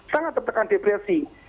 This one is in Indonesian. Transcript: sangat tertekan depresi